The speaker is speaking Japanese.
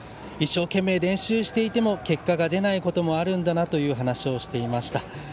一生懸命練習していても結果が出ないこともあるんだなという話をしていました。